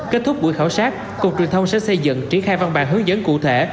kết thúc buổi khảo sát cục truyền thông sẽ xây dựng triển khai văn bản hướng dẫn cụ thể